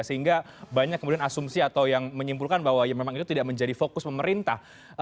sehingga banyak kemudian asumsi atau yang menyimpulkan bahwa ya memang itu tidak menjadi fokus pemerintah